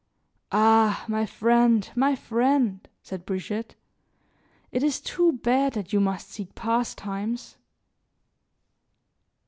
"Ah! my friend, my friend," said Brigitte, "it is too bad that you must seek pastimes."